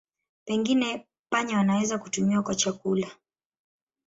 Pengine panya wanaweza kutumiwa kwa chakula.